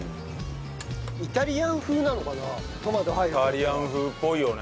イタリアン風っぽいよね。